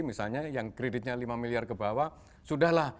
misalnya yang kreditnya lima miliar ke bawah sudah lah